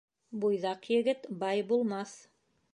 Буйҙаҡ егет бай булмаҫ.